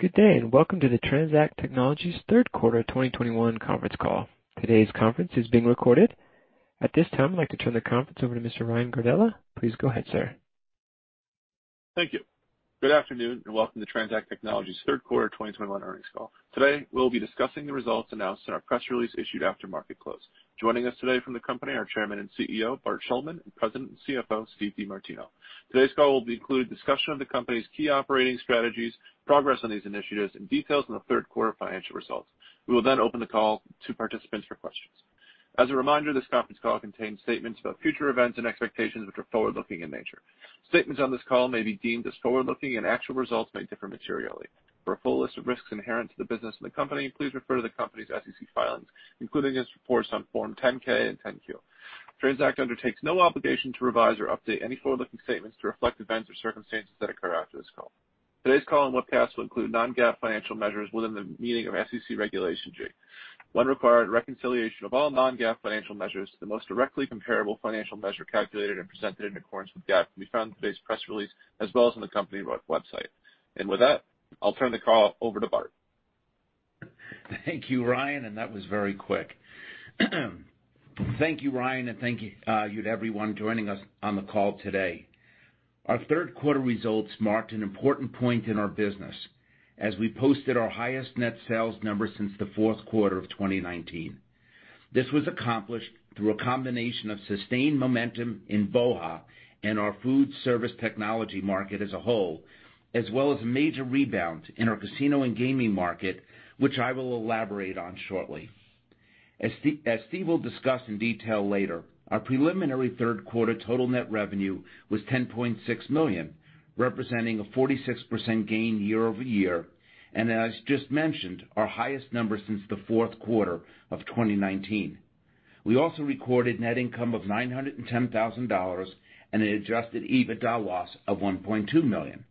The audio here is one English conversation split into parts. Good day, and welcome to the TransAct Technologies third quarter 2021 conference call. Today's conference is being recorded. At this time, I'd like to turn the conference over to Mr. Ryan Gardella. Please go ahead, sir. Thank you. Good afternoon, and welcome to TransAct Technologies third quarter 2021 earnings call. Today, we'll be discussing the results announced in our press release issued after market close. Joining us today from the company are Chairman and CEO, Bart Shuldman, and President and CFO, Steve DeMartino. Today's call will include a discussion of the company's key operating strategies, progress on these initiatives, and details on the third quarter financial results. We will then open the call to participants for questions. As a reminder, this conference call contains statements about future events and expectations which are Forward-Looking in nature. Statements on this call may be deemed as Forward-Looking, and actual results may differ materially. For a full list of risks inherent to the business and the company, please refer to the company's SEC filings, including its reports on Form 10-K and 10-Q. TransAct undertakes no obligation to revise or update any Forward-Looking statements to reflect events or circumstances that occur after this call. Today's call and webcast will include non-GAAP financial measures within the meaning of SEC Regulation G. The required reconciliation of all non-GAAP financial measures to the most directly comparable financial measure calculated and presented in accordance with GAAP can be found in today's press release, as well as on the company website. With that, I'll turn the call over to Bart. Thank you, Ryan, and that was very quick. Thank you, Ryan, and thank you to everyone joining us on the call today. Our third quarter results marked an important point in our business as we posted our highest net sales number since the fourth 1/4 of 2019. This was accomplished through a combination of sustained momentum in BOHA and our food service technology market as a whole, as well as a major rebound in our casino and gaming market, which I will elaborate on shortly. As Steve will discuss in detail later, our preliminary third quarter total net revenue was $10.6 million, representing a 46% gain year-over-year, and as just mentioned, our highest number since the fourth 1/4 of 2019. We also recorded net income of $910,000 and an adjusted EBITDA loss of $1.2 million.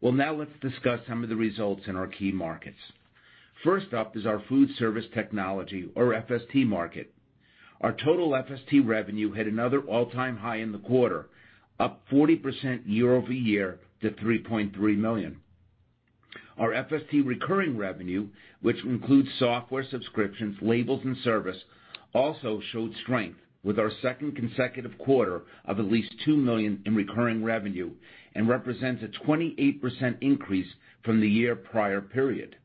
Well, now let's discuss some of the results in our key markets. First up is our food service technology or FST market. Our total FST revenue hit another all-time high in the 1/4, up 40% year-over-year to $3.3 million. Our FST recurring revenue, which includes software subscriptions, labels, and service, also showed strength with our second consecutive 1/4 of at least $2 million in recurring revenue and represents a 28% increase from the year-prior period.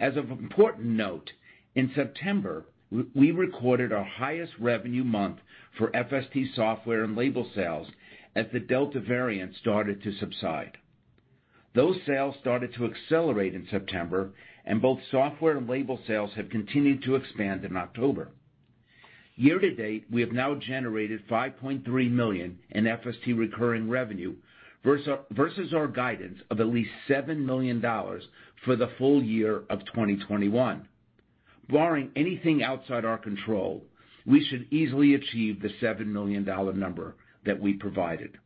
As an important note, in September, we recorded our highest revenue month for FST software and label sales as the Delta variant started to subside. Those sales started to accelerate in September, and both software and label sales have continued to expand in October. Year to date, we have now generated $5.3 million in FST recurring revenue versus our guidance of at least $7 million for the full year of 2021. Barring anything outside our control, we should easily achieve the $7 million number that we provided.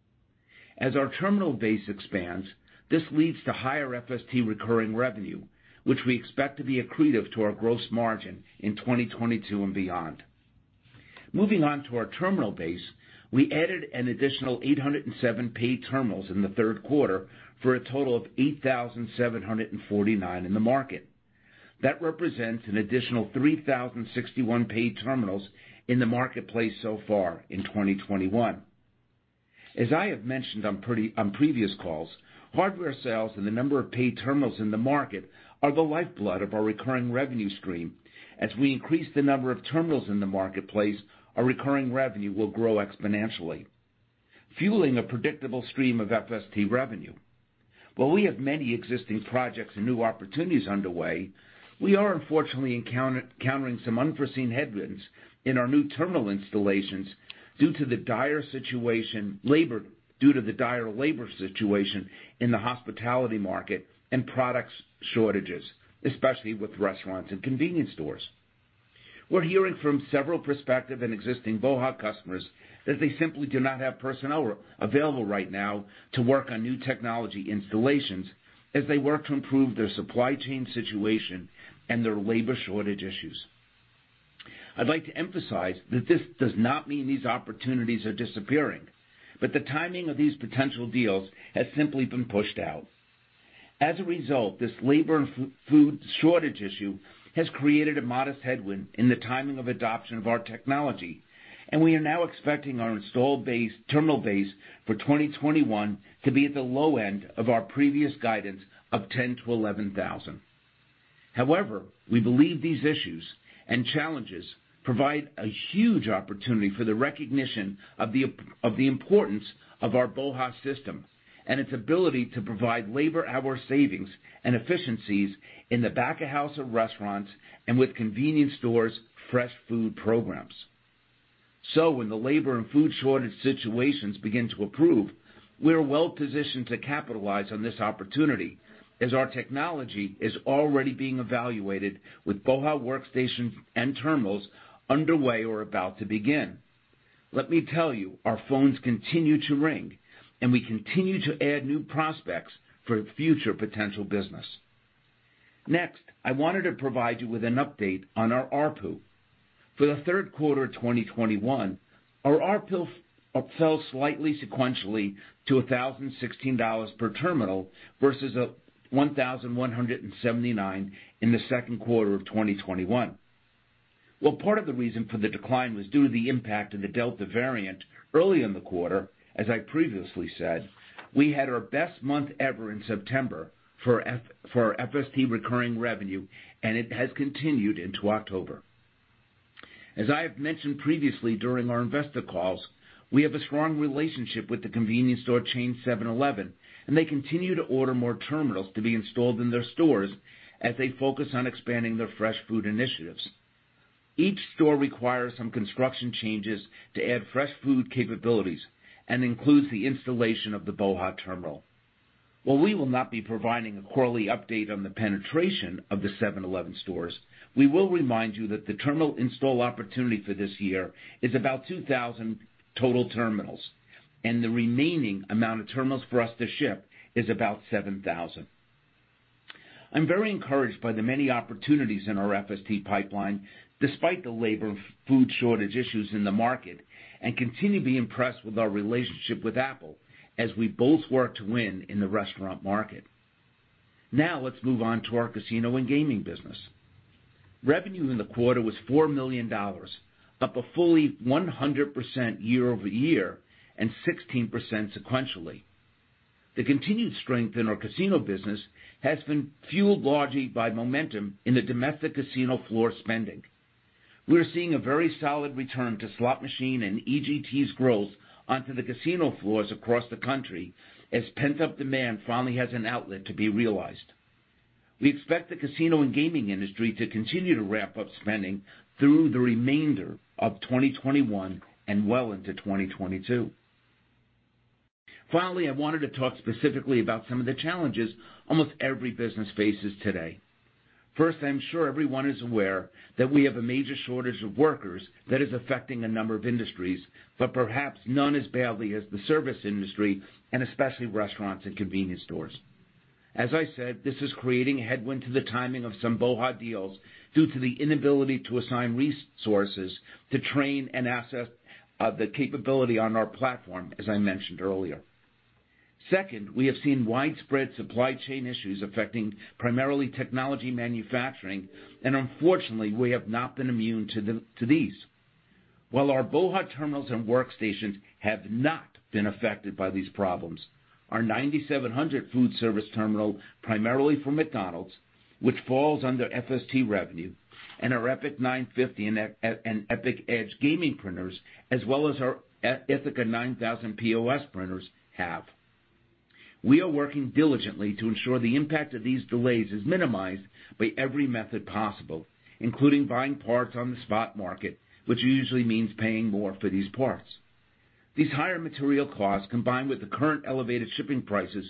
As our terminal base expands, this leads to higher FST recurring revenue, which we expect to be accretive to our gross margin in 2022 and beyond. Moving on to our terminal base, we added an additional 807 paid terminals in the third quarter for a total of 8,749 in the market. That represents an additional 3,061 paid terminals in the marketplace so far in 2021. As I have mentioned on previous calls, hardware sales and the number of paid terminals in the market are the lifeblood of our recurring revenue stream. As we increase the number of terminals in the marketplace, our recurring revenue will grow exponentially, fueling a predictable stream of FST revenue. While we have many existing projects and new opportunities underway, we are unfortunately encountering some unforeseen headwinds in our new terminal installations due to the dire labor situation in the hospitality market and product shortages, especially with restaurants and convenience stores. We're hearing from several prospective and existing BOHA customers that they simply do not have personnel available right now to work on new technology installations as they work to improve their supply chain situation and their labor shortage issues. I'd like to emphasize that this does not mean these opportunities are disappearing, but the timing of these potential deals has simply been pushed out. As a result, this labor and food shortage issue has created a modest headwind in the timing of adoption of our technology, and we are now expecting our installed base, terminal base for 2021 to be at the low end of our previous guidance of 10,000-11,000. However, we believe these issues and challenges provide a huge opportunity for the recognition of the importance of our BOHA system and its ability to provide labor hour savings and efficiencies in the back of house of restaurants and with convenience stores' fresh food programs. When the labor and food shortage situations begin to improve, we are well positioned to capitalize on this opportunity as our technology is already being evaluated with BOHA workstations and terminals underway or about to begin. Let me tell you, our phones continue to ring, and we continue to add new prospects for future potential business. Next, I wanted to provide you with an update on our ARPU. For the third quarter of 2021, our ARPU fell slightly sequentially to $1,016 per terminal, versus $1,179 in the second 1/4 of 2021. Well, part of the reason for the decline was due to the impact of the Delta variant early in the 1/4. As I previously said, we had our best month ever in September for our FST recurring revenue, and it has continued into October. As I have mentioned previously during our investor calls, we have a strong relationship with the convenience store chain 7-Eleven, and they continue to order more terminals to be installed in their stores as they focus on expanding their fresh food initiatives. Each store requires some construction changes to add fresh food capabilities and includes the installation of the BOHA terminal. While we will not be providing a quarterly update on the penetration of the 7-Eleven stores, we will remind you that the terminal install opportunity for this year is about 2,000 total terminals, and the remaining amount of terminals for us to ship is about 7,000. I'm very encouraged by the many opportunities in our FST pipeline, despite the labor and food shortage issues in the market, and continue to be impressed with our relationship with Apple as we both work to win in the restaurant market. Now let's move on to our casino and gaming business. Revenue in the 1/4 was $4 million, up a fully 100% year-over-year, and 16% sequentially. The continued strength in our casino business has been fueled largely by momentum in the domestic casino floor spending. We are seeing a very solid return to slot machine and EGTs growth onto the casino floors across the country, as pent-up demand finally has an outlet to be realized. We expect the casino and gaming industry to continue to ramp up spending through the remainder of 2021 and well into 2022. Finally, I wanted to talk specifically about some of the challenges almost every business faces today. First, I'm sure everyone is aware that we have a major shortage of workers that is affecting a number of industries, but perhaps none as badly as the service industry, and especially restaurants and convenience stores. As I said, this is creating a headwind to the timing of some BOHA! deals due to the inability to assign resources to train and assess the capability on our platform, as I mentioned earlier. Second, we have seen widespread supply chain issues affecting primarily technology manufacturing, and unfortunately, we have not been immune to these. While our BOHA! terminals and workstations have not been affected by these problems, our 9700 food service terminal, primarily for McDonald's, which falls under FST revenue, and our Epic 950 and Epic Edge gaming printers, as well as our Ithaca 9000 POS printers have. We are working diligently to ensure the impact of these delays is minimized by every method possible, including buying parts on the spot market, which usually means paying more for these parts. These higher material costs, combined with the current elevated shipping prices,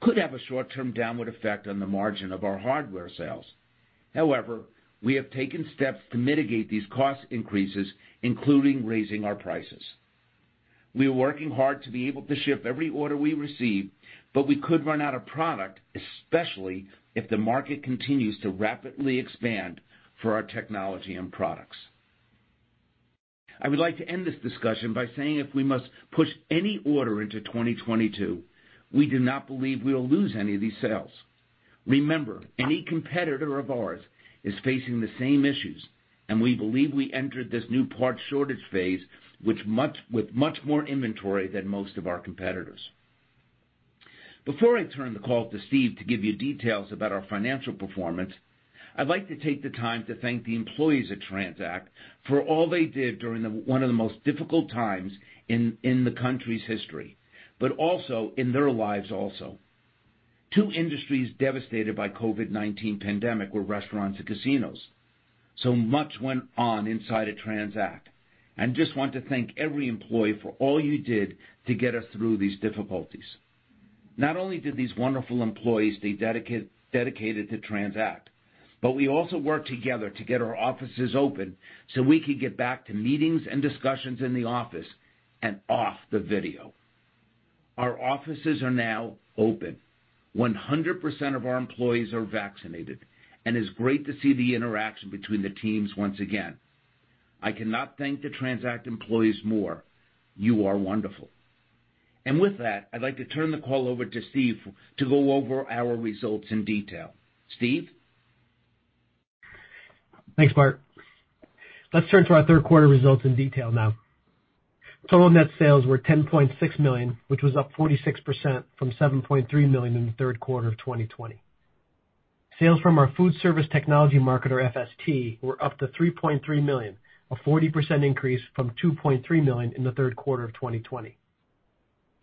could have a short-term downward effect on the margin of our hardware sales. However, we have taken steps to mitigate these cost increases, including raising our prices. We are working hard to be able to ship every order we receive, but we could run out of product, especially if the market continues to rapidly expand for our technology and products. I would like to end this discussion by saying if we must push any order into 2022, we do not believe we will lose any of these sales. Remember, any competitor of ours is facing the same issues, and we believe we entered this new part shortage phase with much more inventory than most of our competitors. Before I turn the call to Steve to give you details about our financial performance, I'd like to take the time to thank the employees at TransAct for all they did during one of the most difficult times in the country's history, but also in their lives also. Two industries devastated by COVID-19 pandemic were restaurants and casinos. Much went on inside of TransAct. I just want to thank every employee for all you did to get us through these difficulties. Not only did these wonderful employees stay dedicated to TransAct, but we also worked together to get our offices open so we could get back to meetings and discussions in the office and off the video. Our offices are now open. 100% of our employees are vaccinated, and it's great to see the interaction between the teams once again. I cannot thank the Transact employees more. You are wonderful. With that, I'd like to turn the call over to Steve to go over our results in detail. Steve? Thanks, Mark. Let's turn to our third quarter results in detail now. Total net sales were $10.6 million, which was up 46% from $7.3 million in the third quarter of 2020. Sales from our food service technology market, or FST, were up to $3.3 million, a 40% increase from $2.3 million in the third quarter of 2020.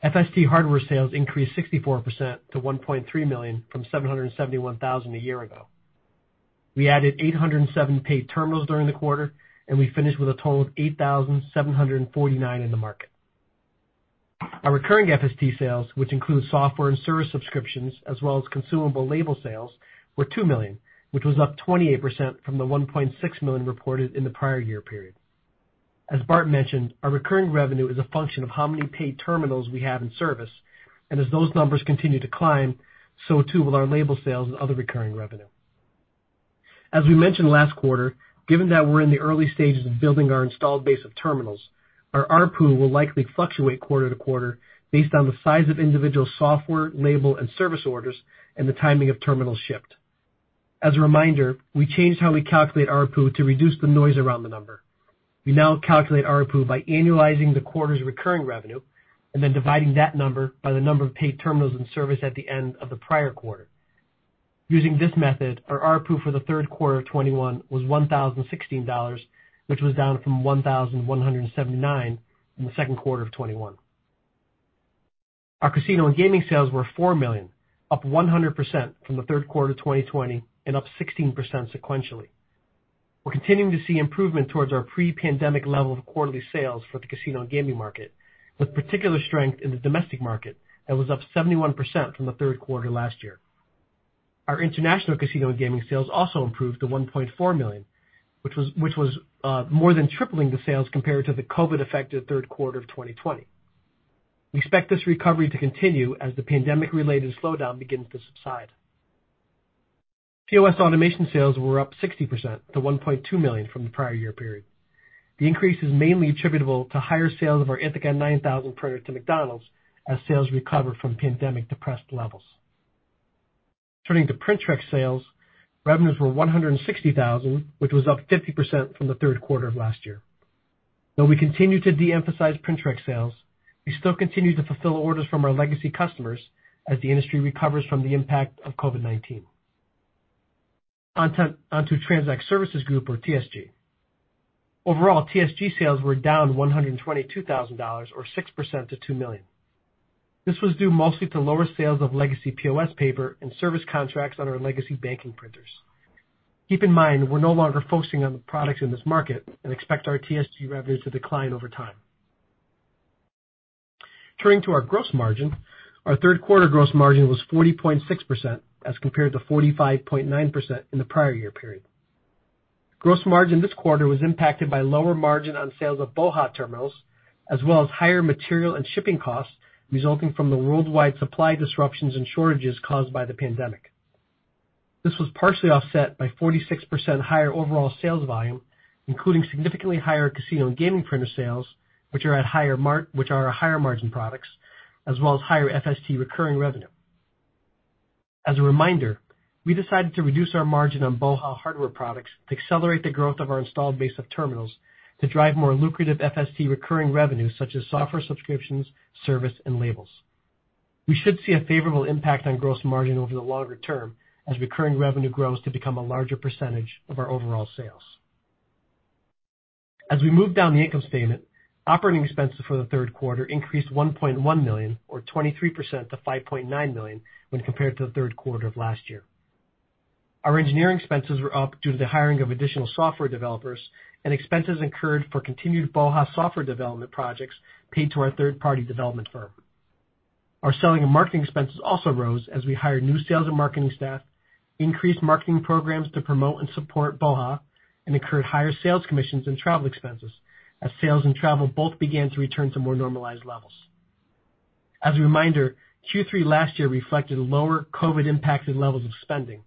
FST hardware sales increased 64% to $1.3 million from $771,000 a year ago. We added 807 paid terminals during the 1/4, and we finished with a total of 8,749 in the market. Our recurring FST sales, which include software and service subscriptions, as well as consumable label sales, were $2 million, which was up 28% from the $1.6 million reported in the prior year period. As Bart mentioned, our recurring revenue is a function of how many paid terminals we have in service. Those numbers continue to climb, so too will our label sales and other recurring revenue. As we mentioned last 1/4, given that we're in the early stages of building our installed base of terminals, our ARPU will likely fluctuate 1/4 to 1/4 based on the size of individual software, label, and service orders and the timing of terminals shipped. As a reminder, we changed how we calculate ARPU to reduce the noise around the number. We now calculate ARPU by annualizing the 1/4's recurring revenue and then dividing that number by the number of paid terminals in service at the end of the prior 1/4. Using this method, our ARPU for the third quarter of 2021 was $1,016, which was down from $1,179 in the second 1/4 of 2021. Our casino and gaming sales were $4 million, up 100% from the third quarter of 2020 and up 16% sequentially. We're continuing to see improvement towards our pre-pandemic level of quarterly sales for the casino and gaming market, with particular strength in the domestic market that was up 71% from the third quarter last year. Our international casino and gaming sales also improved to $1.4 million, which was more than tripling the sales compared to the COVID-19-affected third quarter of 2020. We expect this recovery to continue as the pandemic-related slowdown begins to subside. POS automation sales were up 60% to $1.2 million from the prior year period. The increase is mainly attributable to higher sales of our Ithaca 9000 printer to McDonald's as sales recover from pandemic-depressed levels. Turning to Printrex sales, revenues were $160,000, which was up 50% from the third quarter of last year. Though we continue to de-emphasize Printrex sales, we still continue to fulfill orders from our legacy customers as the industry recovers from the impact of COVID-19. On to TransAct Services Group, or TSG. Overall, TSG sales were down $122,000 or 6% to $2 million. This was due mostly to lower sales of legacy POS paper and service contracts on our legacy banking printers. Keep in mind, we're no longer focusing on the products in this market and expect our TSG revenues to decline over time. Turning to our gross margin, our third quarter gross margin was 40.6% as compared to 45.9% in the prior year period. Gross margin this 1/4 was impacted by lower margin on sales of BOHA! terminals, as well as higher material and shipping costs resulting from the worldwide supply disruptions and shortages caused by the pandemic. This was partially offset by 46% higher overall sales volume, including significantly higher casino and gaming printer sales, which are our higher margin products, as well as higher FST recurring revenue. As a reminder, we decided to reduce our margin on BOHA hardware products to accelerate the growth of our installed base of terminals to drive more lucrative FST recurring revenue such as software subscriptions, service, and labels. We should see a favorable impact on gross margin over the longer term as recurring revenue grows to become a larger percentage of our overall sales. As we move down the income statement, operating expenses for the third quarter increased $1.1 million, or 23% to $5.9 million, when compared to the third quarter of last year. Our engineering expenses were up due to the hiring of additional software developers and expenses incurred for continued BOHA software development projects paid to our 1/3-party development firm. Our selling and marketing expenses also rose as we hired new sales and marketing staff, increased marketing programs to promote and support BOHA, and incurred higher sales commissions and travel expenses as sales and travel both began to return to more normalized levels. As a reminder, Q3 last year reflected lower COVID-impacted levels of spending,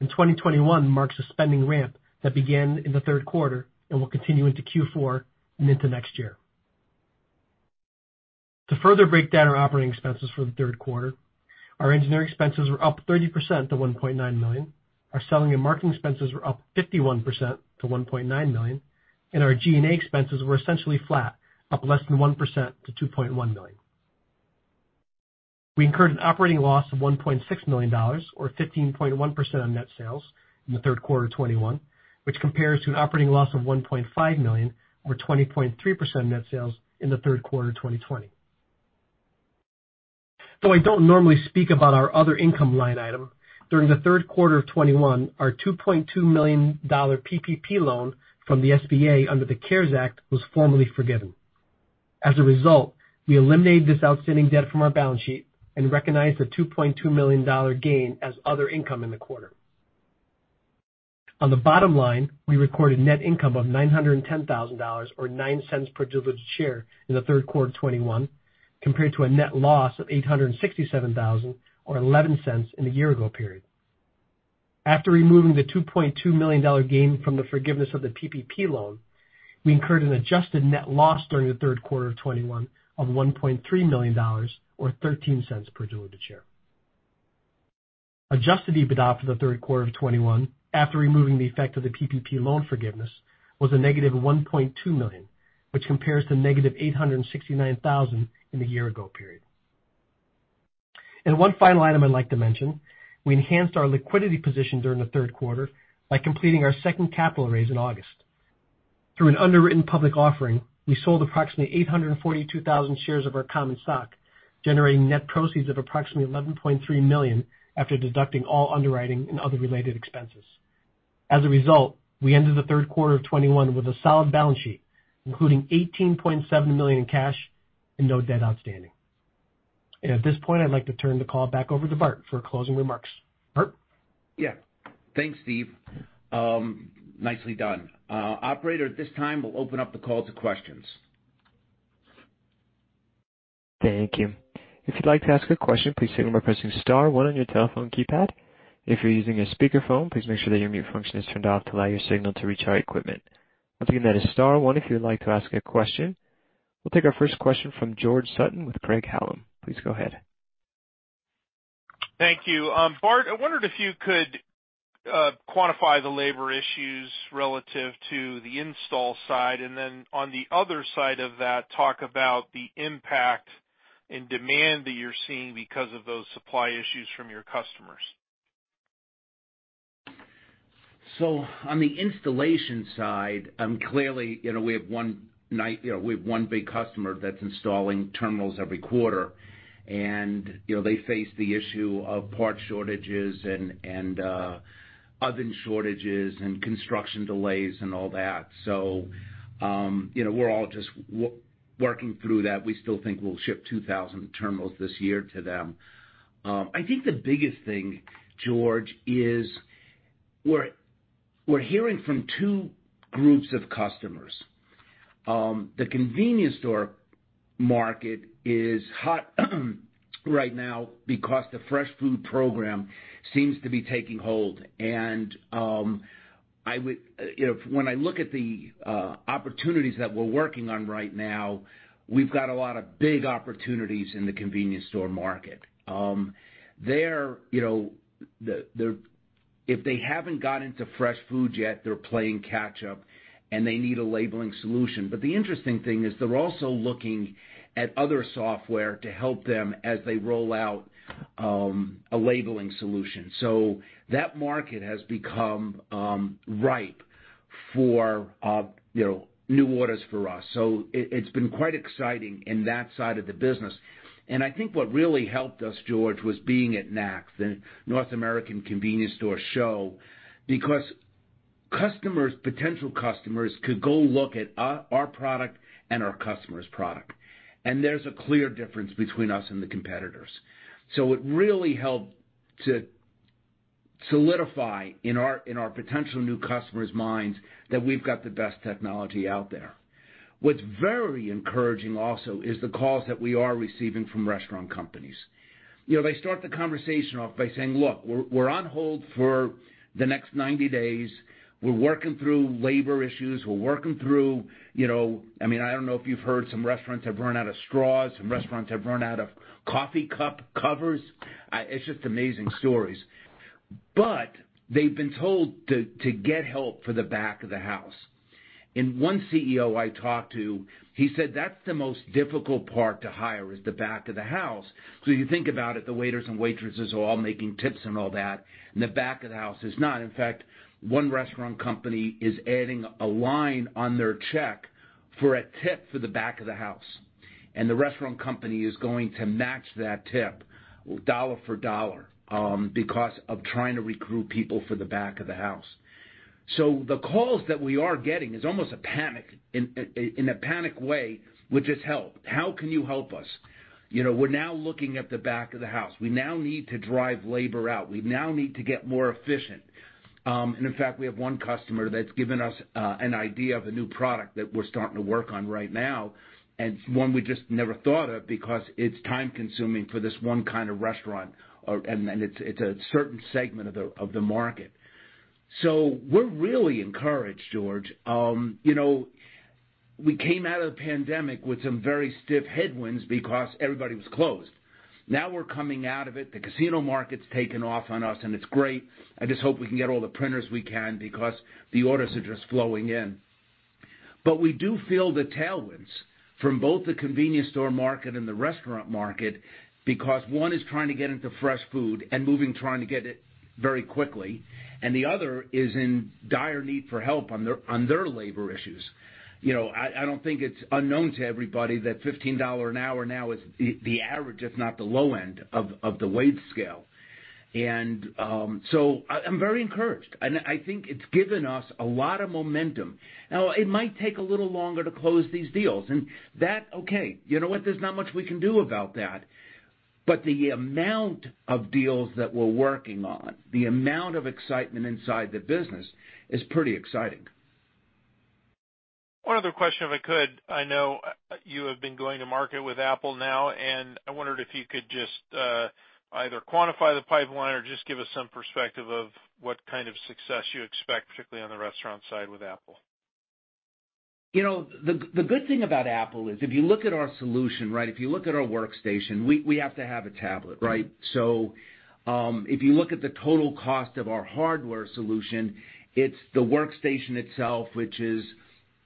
and 2021 marks a spending ramp that began in the third quarter and will continue into Q4 and into next year. To further break down our operating expenses for the third quarter, our engineering expenses were up 30% to $1.9 million. Our selling and marketing expenses were up 51% to $1.9 million. Our G&A expenses were essentially flat, up less than 1% to $2.1 million. We incurred an operating loss of $1.6 million, or 15.1% of net sales in the third quarter of 2021, which compares to an operating loss of $1.5 million, or 20.3% of net sales in the third quarter of 2020. Though I don't normally speak about our other income line item, during the third quarter of 2021, our $2.2 million PPP loan from the SBA under the CARES Act was formally forgiven. As a result, we eliminated this outstanding debt from our balance sheet and recognized a $2.2 million gain as other income in the 1/4. On the bottom line, we recorded net income of $910,000, or $0.09 per diluted share in the third quarter of 2021, compared to a net loss of $867,000 or $0.11 in the year-ago period. After removing the $2.2 million gain from the forgiveness of the PPP loan, we incurred an adjusted net loss during the third quarter of 2021 of $1.3 million or $0.13 per diluted share. Adjusted EBITDA for the third quarter of 2021, after removing the effect of the PPP loan forgiveness, was -$1.2 million, which compares to -$869,000 in the year-ago period. One final item I'd like to mention, we enhanced our liquidity position during the third quarter by completing our second capital raise in August. Through an underwritten public offering, we sold approximately 842,000 shares of our common stock, generating net proceeds of approximately $11.3 million after deducting all underwriting and other related expenses. As a result, we ended the third quarter of 2021 with a solid balance sheet, including $18.7 million in cash and no debt outstanding. At this point, I'd like to turn the call back over to Bart for closing remarks. Bart? Yeah. Thanks, Steve. Nicely done. Operator, at this time we'll open up the call to questions. Thank you. If you'd like to ask a question, please signal by pressing star one on your telephone keypad. If you're using a speakerphone, please make sure that your mute function is turned off to allow your signal to reach our equipment. Once again, that is star one if you'd like to ask a question. We'll take our first question from George Sutton with Craig-Hallum. Please go ahead. Thank you. Bart, I wondered if you could quantify the labor issues relative to the install side, and then on the other side of that, talk about the impact and demand that you're seeing because of those supply issues from your customers. On the installation side, clearly, you know, we have one big customer that's installing terminals every 1/4. You know, they face the issue of part shortages and oven shortages and construction delays and all that. You know, we're all just working through that. We still think we'll ship 2,000 terminals this year to them. I think the biggest thing, George, is we're hearing from 2 groups of customers. The convenience store market is hot right now because the fresh food program seems to be taking hold. You know, when I look at the opportunities that we're working on right now, we've got a lot of big opportunities in the convenience store market. If they haven't got into fresh foods yet, they're playing catch up, and they need a labeling solution. The interesting thing is they're also looking at other software to help them as they roll out a labeling solution. That market has become ripe for, you know, new orders for us. It's been quite exciting in that side of the business. I think what really helped us, George, was being at NACS, the North American Convenience Store show, because customers, potential customers could go look at our product and our customer's product, and there's a clear difference between us and the competitors. It really helped to solidify in our potential new customers' minds that we've got the best technology out there. What's very encouraging also is the calls that we are receiving from restaurant companies. You know, they start the conversation off by saying, "Look, we're on hold for the next 90 days. We're working through labor issues, you know. I mean, I don't know if you've heard, some restaurants have run out of straws, some restaurants have run out of coffee cup covers. It's just amazing stories. They've been told to get help for the back of the house. One CEO I talked to, he said that's the most difficult part to hire, is the back of the house. You think about it, the waiters and waitresses are all making tips and all that, and the back of the house is not. In fact, one restaurant company is adding a line on their check for a tip for the back of the house, and the restaurant company is going to match that tip dollar for dollar, because of trying to recruit people for the back of the house. The calls that we are getting is almost a panic, in a panic way with just help. "How can you help us?" You know, "We're now looking at the back of the house. We now need to drive labor out. We now need to get more efficient." In fact, we have one customer that's given us an idea of a new product that we're starting to work on right now, and one we just never thought of because it's time-consuming for this one kind of restaurant or. It's a certain segment of the market. We're really encouraged, George. You know, we came out of the pandemic with some very stiff headwinds because everybody was closed. Now we're coming out of it. The casino market's taken off on us, and it's great. I just hope we can get all the printers we can because the orders are just flowing in. We do feel the tailwinds from both the convenience store market and the restaurant market because one is trying to get into fresh food and moving, trying to get it very quickly, and the other is in dire need for help on their labor issues. You know, I don't think it's unknown to everybody that $15 an hour now is the average, if not the low end of the wage scale. I'm very encouraged, and I think it's given us a lot of momentum. Now, it might take a little longer to close these deals, and that. Okay. You know what? There's not much we can do about that. The amount of deals that we're working on, the amount of excitement inside the business is pretty exciting. One other question, if I could. I know you have been going to market with Apple now, and I wondered if you could just either quantify the pipeline or just give us some perspective of what kind of success you expect, particularly on the restaurant side with Apple. You know, the good thing about Apple is if you look at our solution, right? If you look at our workstation, we have to have a tablet, right? So, if you look at the total cost of our hardware solution, it's the workstation itself, which is,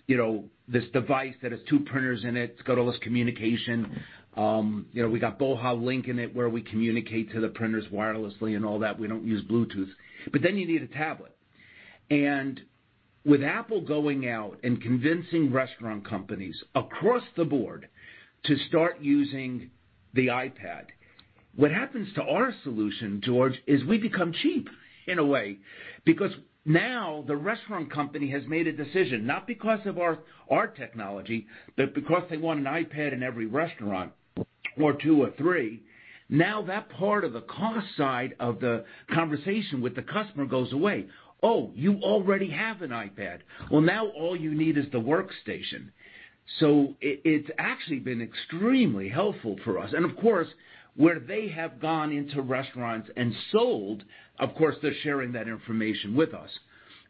you know, this device that has 2 printers in it. It's got all its communication. You know, we got BOHA! Link in it where we communicate to the printers wirelessly and all that. We don't use Bluetooth. But then you need a tablet. With Apple going out and convincing restaurant companies across the board to start using the iPad. What happens to our solution, George, is we become cheap in a way because now the restaurant company has made a decision, not because of our technology, but because they want an iPad in every restaurant or 2 or 3. Now that part of the cost side of the conversation with the customer goes away. Oh, you already have an iPad. Well, now all you need is the workstation. It's actually been extremely helpful for us. Of course, where they have gone into restaurants and sold, of course, they're sharing that information with us.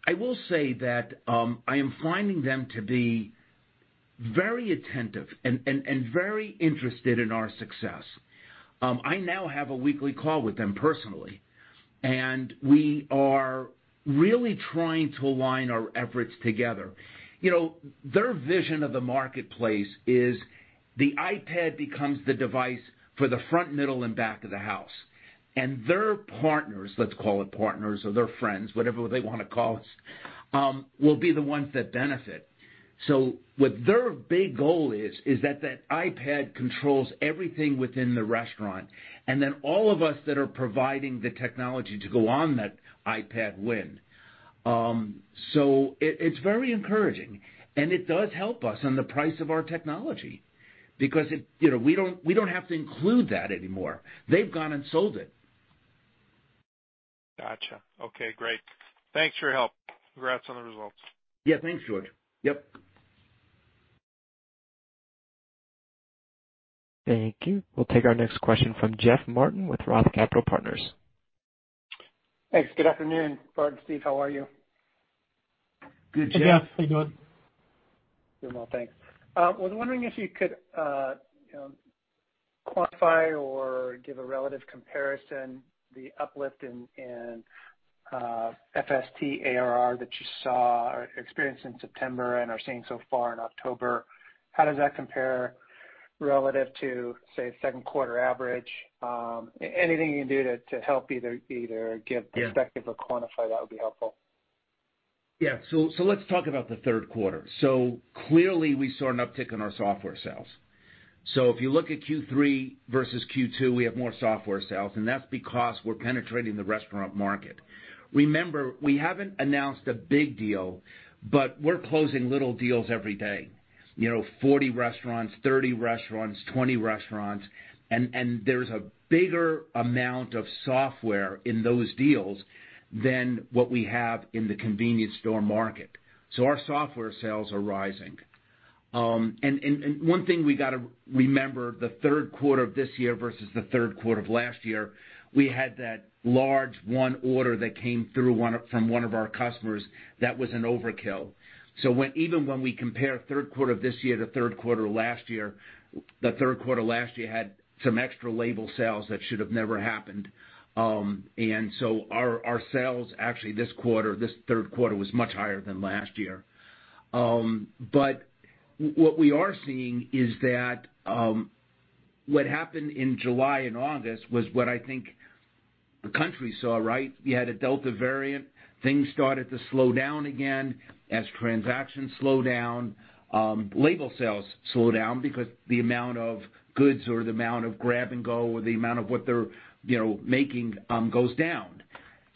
I will say that, I am finding them to be very attentive and very interested in our success. I now have a weekly call with them personally, and we are really trying to align our efforts together. You know, their vision of the marketplace is the iPad becomes the device for the front, middle, and back of the house. Their partners, let's call it partners or their friends, whatever they wanna call us, will be the ones that benefit. What their big goal is that iPad controls everything within the restaurant, and then all of us that are providing the technology to go on that iPad win. It's very encouraging, and it does help us on the price of our technology because it, you know, we don't have to include that anymore. They've gone and sold it. Gotcha. Okay, great. Thanks for your help. Congrats on the results. Yeah, thanks, George. Yep. Thank you. We'll take our next question from Jeff Martin with Roth Capital Partners. Thanks. Good afternoon, Bart and Steve. How are you? Good, Jeff. Hey, Jeff. How you doing? Doing well, thanks. Was wondering if you could, you know, quantify or give a relative comparison, the uplift in FST ARR that you saw or experienced in September and are seeing so far in October. How does that compare relative to, say, second 1/4 average? Anything you can do to help either give perspective- Yeah quantify that would be helpful. Yeah. Let's talk about the third quarter. Clearly, we saw an uptick in our software sales. If you look at Q3 versus Q2, we have more software sales, and that's because we're penetrating the restaurant market. Remember, we haven't announced a big deal, but we're closing little deals every day. You know, 40 restaurants, 30 restaurants, 20 restaurants. There's a bigger amount of software in those deals than what we have in the convenience store market. Our software sales are rising. One thing we gotta remember, the third quarter of this year versus the third quarter of last year, we had that large one order that came through from one of our customers that was an overkill. When even when we compare third quarter of this year to third quarter last year, the third quarter last year had some extra label sales that should have never happened. Our sales actually this 1/4, this third quarter, was much higher than last year. What we are seeing is that what happened in July and August was what I think the country saw, right? You had a Delta variant. Things started to slow down again. As transactions slow down, label sales slow down because the amount of goods or the amount of grab-and-go or the amount of what they're, you know, making goes down.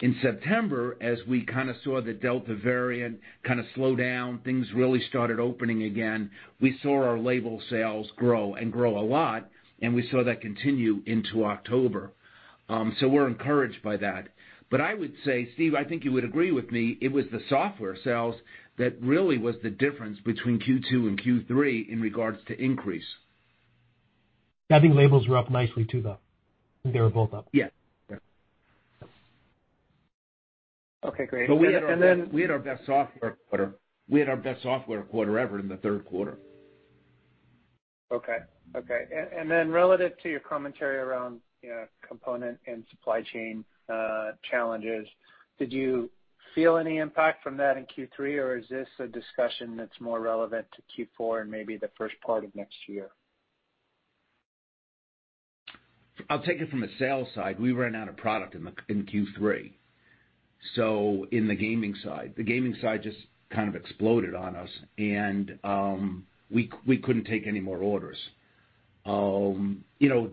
In September, as we kinda saw the Delta variant kinda slow down, things really started opening again. We saw our label sales grow and grow a lot, and we saw that continue into October. We're encouraged by that. I would say, Steve, I think you would agree with me, it was the software sales that really was the difference between Q2 and Q3 in regards to increase. I think labels were up nicely too, though. They were both up. Yes. Okay, great. We had our And then- We had our best software 1/4 ever in the third quarter. Okay. Relative to your commentary around, you know, component and supply chain challenges, did you feel any impact from that in Q3, or is this a discussion that's more relevant to Q4 and maybe the first part of next year? I'll take it from the sales side. We ran out of product in Q3, so in the gaming side. The gaming side just kind of exploded on us and we couldn't take any more orders. You know,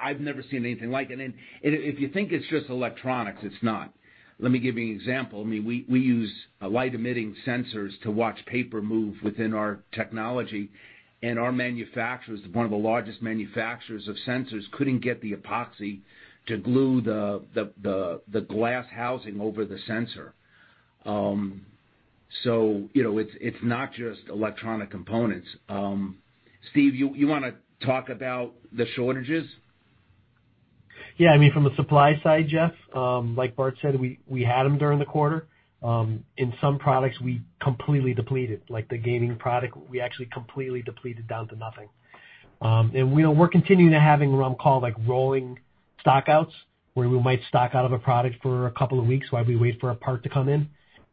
I've never seen anything like it. If you think it's just electronics, it's not. Let me give you an example. I mean, we use light emitting sensors to watch paper move within our technology. Our manufacturers, one of the largest manufacturers of sensors, couldn't get the epoxy to glue the glass housing over the sensor. So, you know, it's not just electronic components. Steve, you wanna talk about the shortages? Yeah. I mean, from the supply side, Jeff, like Bart said, we had them during the 1/4. In some products, we completely depleted, like the gaming product, we actually completely depleted down to nothing. You know, we're continuing to have what I'm calling like rolling stock-outs, where we might stock out of a product for a couple of weeks while we wait for a part to come in,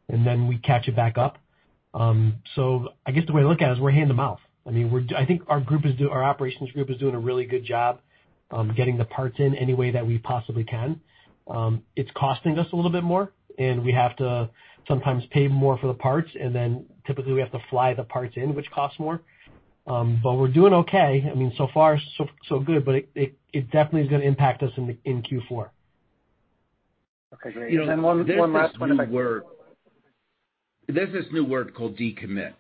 and then we catch it back up. I guess the way I look at it is we're hand to mouth. I mean, I think our operations group is doing a really good job getting the parts in any way that we possibly can. It's costing us a little bit more, and we have to sometimes pay more for the parts. Typically, we have to fly the parts in, which costs more. We're doing okay. I mean, so far, so good, but it definitely is gonna impact us in Q4. Okay, great. One last one if I could- There's this new word called decommit.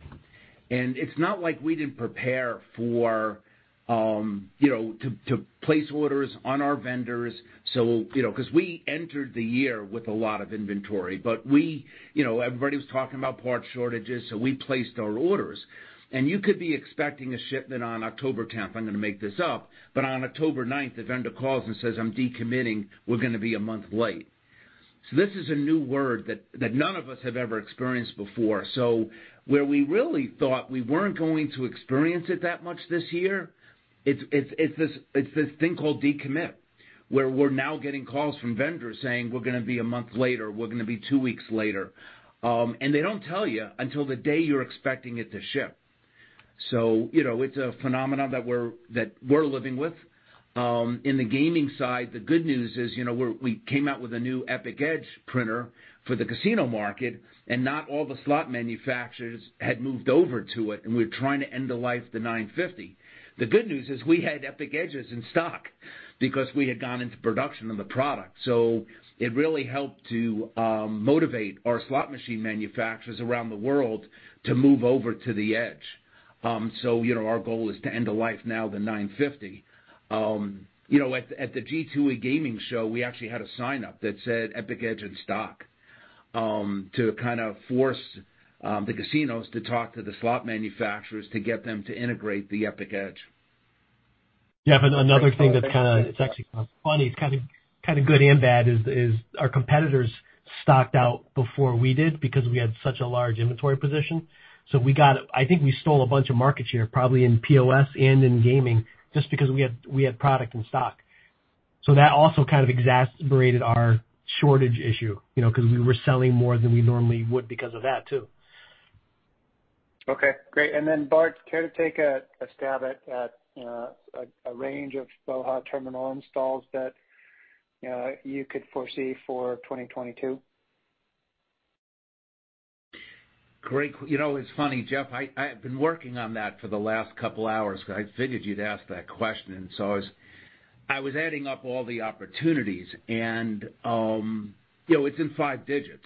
It's not like we didn't prepare for, you know, to place orders on our vendors, so, you know, 'cause we entered the year with a lot of inventory. We, you know, everybody was talking about part shortages, so we placed our orders. You could be expecting a shipment on October tenth, I'm gonna make this up, but on October ninth, the vendor calls and says, "I'm decommitting. We're gonna be a month late." This is a new word that none of us have ever experienced before. Where we really thought we weren't going to experience it that much this year, it's this thing called decommit, where we're now getting calls from vendors saying, "We're gonna be a month later. We're gonna be 2 weeks later. And they don't tell you until the day you're expecting it to ship. So, you know, it's a phenomenon that we're living with. In the gaming side, the good news is, you know, we came out with a new Epic Edge printer for the casino market, and not all the slot manufacturers had moved over to it, and we're trying to end the life of the 950. The good news is we had Epic Edges in stock because we had gone into production of the product. So it really helped to motivate our slot machine manufacturers around the world to move over to the Edge. So, you know, our goal is to end the life now of the 950. You know, at the G2E gaming show, we actually had a sign up that said, "Epic Edge in stock," to kind of force the casinos to talk to the slot manufacturers to get them to integrate the Epic Edge. Yeah. Another thing that's kinda, it's actually kind of funny, it's kinda good and bad, is our competitors stocked out before we did because we had such a large inventory position. We got, I think we stole a bunch of market share, probably in POS and in gaming, just because we had product in stock. That also kind of exacerbated our shortage issue, you know, 'cause we were selling more than we normally would because of that too. Okay, great. Bart, care to take a stab at a range of BOHA terminal installs that, you know, you could foresee for 2022? Great. You know, it's funny, Jeff. I've been working on that for the last couple hours 'cause I figured you'd ask that question. I was adding up all the opportunities and, you know, it's in 5 digits.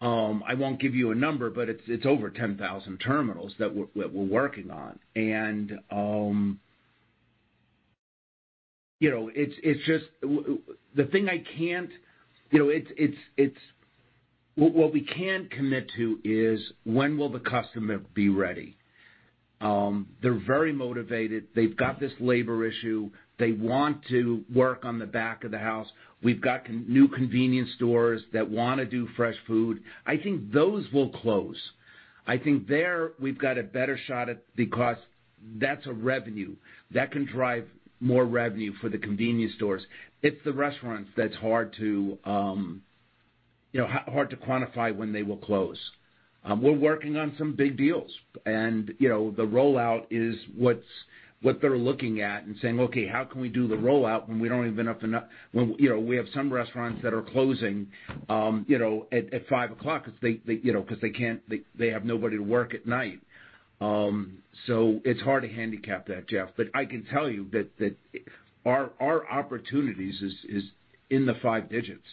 I won't give you a number, but it's over 10,000 terminals that we're working on. You know, what we can commit to is when will the customer be ready. They're very motivated. They've got this labor issue. They want to work on the back of the house. We've got new convenience stores that wanna do fresh food. I think those will close. I think there, we've got a better shot at the cost. That's a revenue. That can drive more revenue for the convenience stores. It's the restaurants that's hard to quantify when they will close. We're working on some big deals. You know, the rollout is what they're looking at and saying, "Okay, how can we do the rollout when we don't even have enough." You know, we have some restaurants that are closing at 5 o'clock 'cause they can't. They have nobody to work at night. It's hard to handicap that, Jeff. I can tell you that our opportunities is in the 5 digits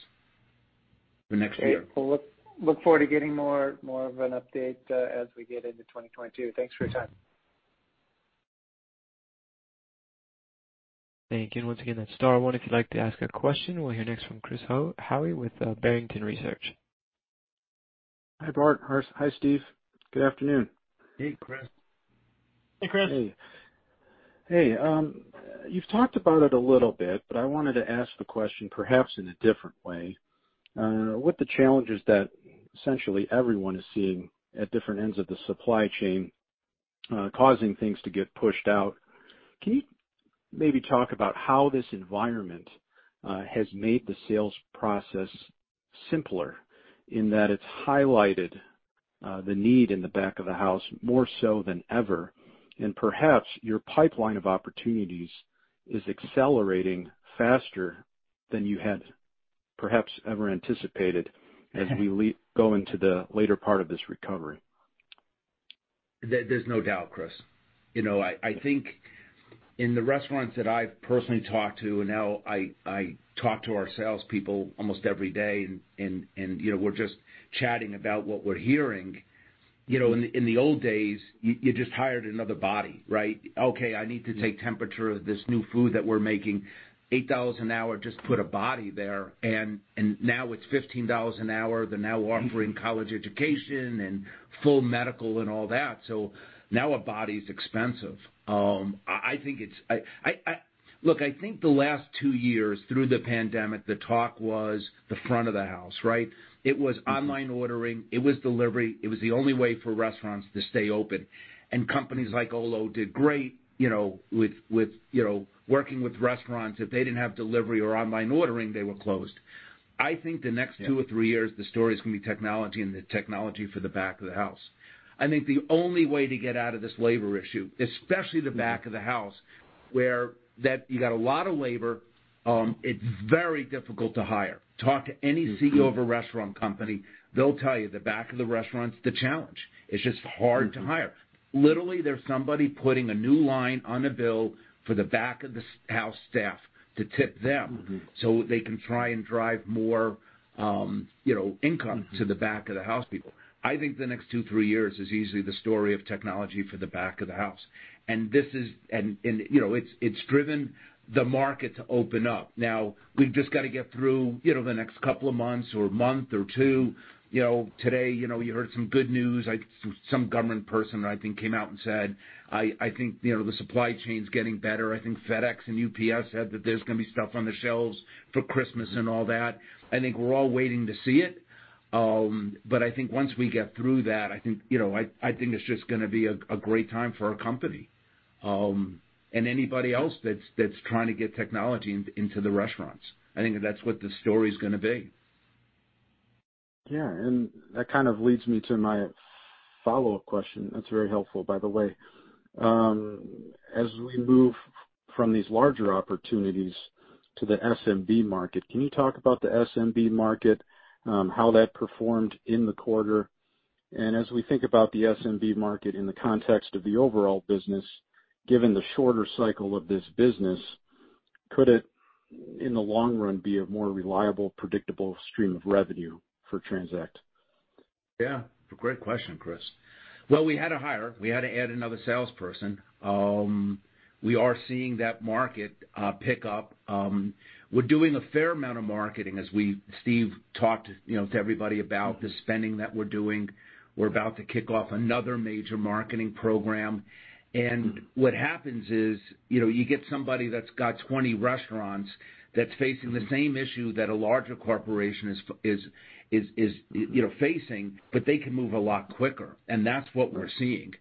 for next year. Okay. We'll look forward to getting more of an update as we get into 2022. Thanks for your time. Thank you. Once again, that's star one if you'd like to ask a question. We'll hear next from Chris Howie with Barrington Research. Hi, Bart. Hi, Steve. Good afternoon. Hey, Chris. Hey, Chris. Hey. Hey, you've talked about it a little bit, but I wanted to ask the question perhaps in a different way. With the challenges that essentially everyone is seeing at different ends of the supply chain, causing things to get pushed out, can you maybe talk about how this environment has made the sales process simpler, in that it's highlighted the need in the back of the house more so than ever, and perhaps your pipeline of opportunities is accelerating faster than you had perhaps ever anticipated as we go into the later part of this recovery? There's no doubt, Chris. You know, I think in the restaurants that I've personally talked to, and now I talk to our salespeople almost every day and you know, we're just chatting about what we're hearing. You know, in the old days, you just hired another body, right? Okay, I need to take temperature of this new food that we're making. $8 an hour, just put a body there. Now it's $15 an hour. They're now offering college education and full medical and all that. Now a body's expensive. Look, I think the last 2 years through the pandemic, the talk was the front of the house, right? It was online ordering, it was delivery. It was the only way for restaurants to stay open. Companies like Olo did great, you know, with working with restaurants. If they didn't have delivery or online ordering, they were closed. I think the next 2 or 3 years, the story is gonna be technology and the technology for the back of the house. I think the only way to get out of this labor issue, especially the back of the house, where that you got a lot of labor, it's very difficult to hire. Talk to any CEO of a restaurant company, they'll tell you the back of the restaurant's the challenge. It's just hard to hire. Literally, there's somebody putting a new line on the bill for the back of the house staff to tip them, so they can try and drive more, you know, income to the back of the house people. I think the next 2-3 years is easily the story of technology for the back of the house. You know, it's driven the market to open up. Now, we've just gotta get through, you know, the next couple of months or month or 2. You know, today, you know, you heard some good news. Some government person, I think, came out and said, " I think, you know, the supply chain's getting better." I think FedEx and UPS said that there's gonna be stuff on the shelves for Christmas and all that. I think we're all waiting to see it. I think once we get through that, I think, you know, I think it's just gonna be a great time for our company, and anybody else that's trying to get technology into the restaurants. I think that's what the story's gonna be. Yeah. That kind of leads me to my follow-up question. That's very helpful, by the way. As we move from these larger opportunities to the SMB market, can you talk about the SMB market, how that performed in the 1/4? As we think about the SMB market in the context of the overall business, given the shorter cycle of this business, could it, in the long run, be a more reliable, predictable stream of revenue for TransAct? Yeah. A great question, Chris. Well, we had to hire. We had to add another salesperson. We are seeing that market pick up. We're doing a fair amount of marketing as Steve talked, you know, to everybody about the spending that we're doing. We're about to kick off another major marketing program. What happens is, you know, you get somebody that's got 20 restaurants that's facing the same issue that a larger corporation is facing, but they can move a lot quicker, and that's what we're seeing.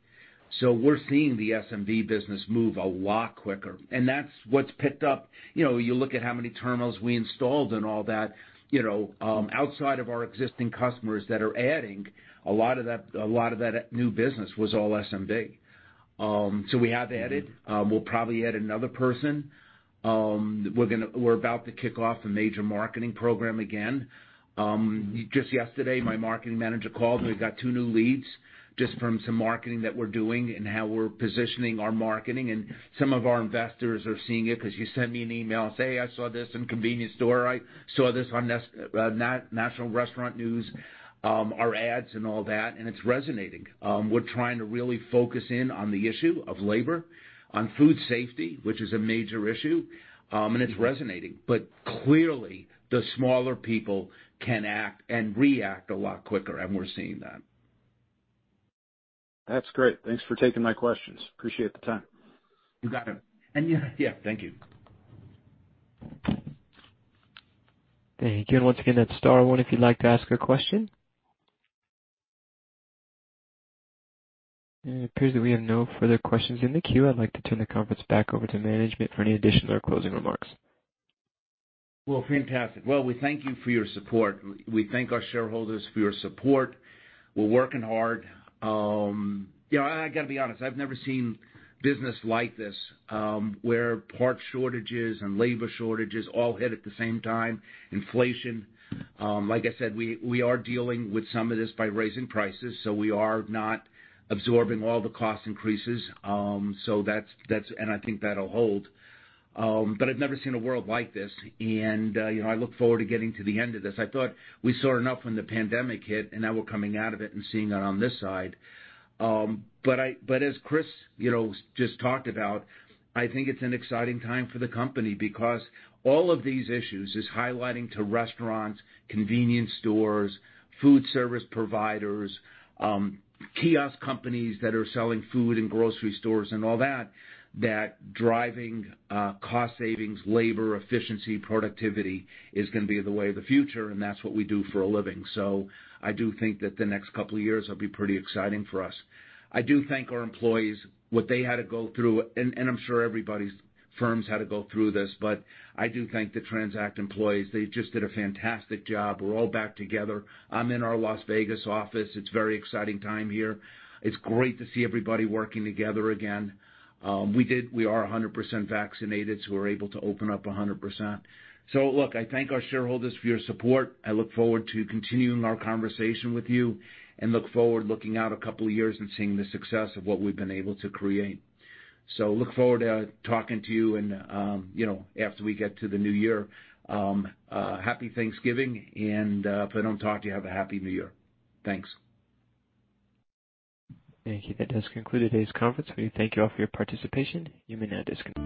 We're seeing the SMB business move a lot quicker, and that's what's picked up. You know, you look at how many terminals we installed and all that, you know, outside of our existing customers that are adding a lot of that, a lot of that new business was all SMB. We have added. We'll probably add another person. We're about to kick off a major marketing program again. Just yesterday, my marketing manager called, and we got 2 new leads just from some marketing that we're doing and how we're positioning our marketing. Some of our investors are seeing it 'cause you send me an email and say, " I saw this in Convenience Store News. I saw this on Nation's Restaurant News," our ads and all that, and it's resonating. We're trying to really focus in on the issue of labor, on food safety, which is a major issue, and it's resonating. Clearly, the smaller people can act and react a lot quicker, and we're seeing that. That's great. Thanks for taking my questions. Appreciate the time. You got it. Yeah, thank you. Thank you. Once again, that's star one if you'd like to ask a question. It appears that we have no further questions in the queue. I'd like to turn the conference back over to management for any additional closing remarks. Well, fantastic. Well, we thank you for your support. We thank our shareholders for your support. We're working hard. You know, I gotta be honest, I've never seen business like this, where part shortages and labor shortages all hit at the same time, inflation. Like I said, we are dealing with some of this by raising prices, so we are not absorbing all the cost increases. So that's. I think that'll hold. I've never seen a world like this and, you know, I look forward to getting to the end of this. I thought we saw enough when the pandemic hit, and now we're coming out of it and seeing it on this side. As Chris, you know, just talked about, I think it's an exciting time for the company because all of these issues is highlighting to restaurants, convenience stores, food service providers, kiosk companies that are selling food in grocery stores and all that driving cost savings, labor efficiency, productivity is gonna be the way of the future, and that's what we do for a living. I do think that the next couple of years will be pretty exciting for us. I do thank our employees, what they had to go through, and I'm sure everybody's firms had to go through this, but I do thank the TransAct employees. They just did a fantastic job. We're all back together. I'm in our Las Vegas office. It's very exciting time here. It's great to see everybody working together again. We are 100% vaccinated, so we're able to open up 100%. Look, I thank our shareholders for your support. I look forward to continuing our conversation with you and look forward looking out a couple of years and seeing the success of what we've been able to create. Look forward to talking to you and, you know, after we get to the new year. Happy Thanksgiving, and if I don't talk to you, have a happy new year. Thanks. Thank you. That does conclude today's conference. We thank you all for your participation. You may now disconnect.